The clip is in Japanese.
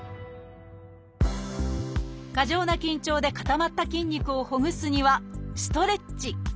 過剰な緊張で固まった筋肉をほぐすにはストレッチ。